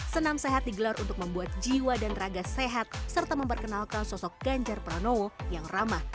senam sehat digelar untuk membuat jiwa dan raga sehat serta memperkenalkan sosok ganjar pranowo yang ramah